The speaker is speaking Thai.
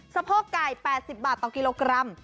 สะโพกไก่๘๐บาทต่อกิโลกรัม